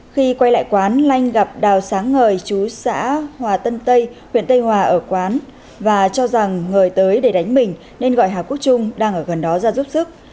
khi quay lại quán lanh gặp đào sáng ngời chú xã hòa tân tây huyện tây hòa ở quán và cho rằng ngời tới để đánh mình nên gọi hà quốc trung đang ở gần đó ra giúp sức